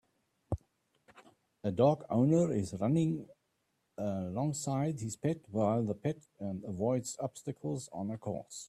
A dog owner is running along side his pet while the pet avoids obstacles on a course.